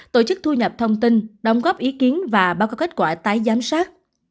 tổ chức thu nhập thông tin đóng góp ý kiến và báo cáo kết quả tái giám sát